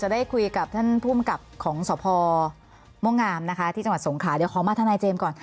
อเจมส์หม้วงามที่จังหวัดสงขาเดี๋ยวขอมาท่านนายเจมส์ก่อน